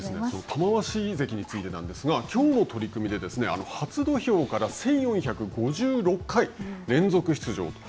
玉鷲関についてなんですがきょうの取組で初土俵から１４５６回連続出場と。